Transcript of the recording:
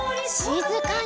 しずかに。